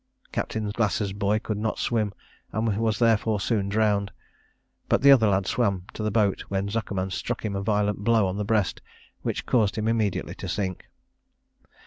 Captain Glass's boy could not swim, and he was therefore soon drowned; but the other lad swam to the boat, when Zekerman struck him a violent blow on the breast, which caused him immediately to sink.